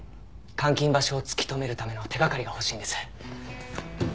監禁場所を突き止めるための手掛かりが欲しいんです。